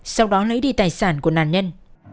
sau đó lấy đi tài sản của nạn nhân